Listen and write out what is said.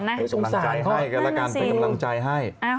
เป็นกำลังใจให้